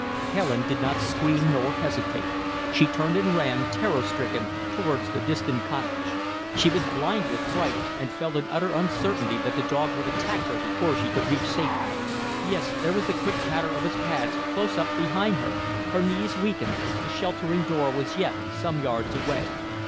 Helen did not scream nor hesitate she turned and ran, terror stricken, towards the distant cottage. She was blind with fright and felt an utter certainty that the dog would attack her before she could reach safety. Yes there was the quick patter of his pads close up behind her; her knees weakened; the sheltering door was yet some yards away.